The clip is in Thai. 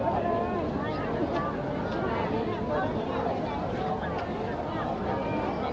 มันเป็นสิ่งที่จะให้ทุกคนรู้สึกว่ามันเป็นสิ่งที่จะให้ทุกคนรู้สึกว่า